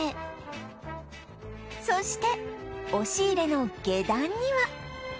そして押し入れの下段には